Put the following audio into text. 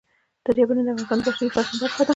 دریابونه د افغانستان د بشري فرهنګ برخه ده.